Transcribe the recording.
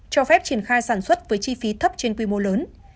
cho phép triển khai sản xuất với chi phí thấp trên quy mô lớn